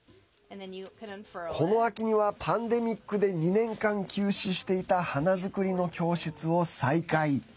この秋にはパンデミックで２年間休止していた花作りの教室を再開。